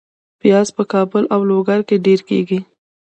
پیاز په کابل او لوګر کې ډیر کیږي